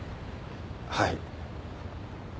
はい。